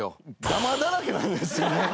ダマだらけなんですよね。